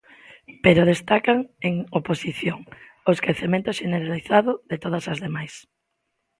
Pero destacan, en oposición, o esquecemento xeneralizado de todas as demais.